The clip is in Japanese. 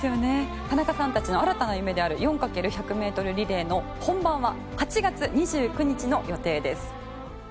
田中さんたちに新たな夢である４×１００ｍリレーの本番は８月２９日の予定です。